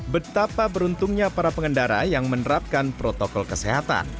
betapa beruntungnya para pengendara yang menerapkan protokol kesehatan